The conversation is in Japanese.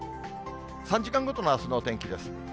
３時間ごとのあすのお天気です。